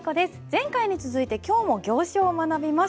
前回に続いて今日も行書を学びます。